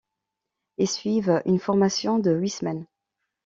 Ils suivent une formation de huit semaines.